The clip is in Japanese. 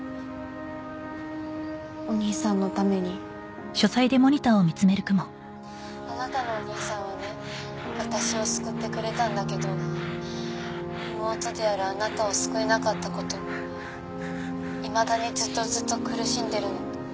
お兄さんのために「あなたのお兄さんはね私を救ってくれたんだけど妹であるあなたを救えなかったこといまだにずっとずっと苦しんでるの」